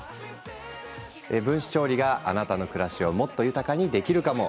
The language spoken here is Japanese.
分子調理が、あなたの暮らしをもっと豊かにできるかも。